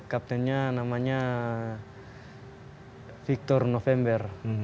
kapten nya namanya victor november